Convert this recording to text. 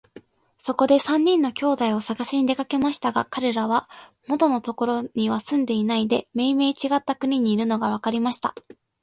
そこで三人の兄弟をさがしに出かけましたが、かれらは元のところには住んでいないで、めいめいちがった国にいるのがわかりました。